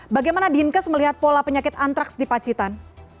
bagaimana dinkes melihat pola penyakit antraks di pacitan